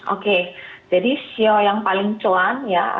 oke jadi sio yang paling cuan ya